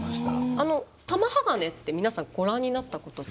あの玉鋼って皆さんご覧になったことって？